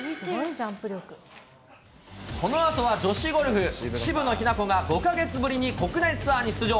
このあとは女子ゴルフ、渋野日向子が５か月ぶりに国内ツアーに出場。